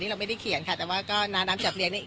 เราไม่ได้เขียนค่ะแต่ว่าก็น้าน้ำจับเลี้ยนี่